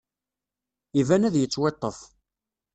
Iban ad yettwiṭṭef.